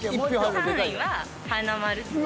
３位は華丸さん。